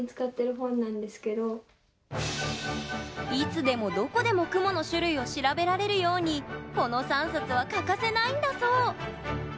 いつでもどこでも雲の種類を調べられるようにこの３冊は欠かせないんだそう！